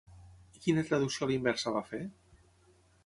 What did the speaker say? I quina traducció a la inversa va fer?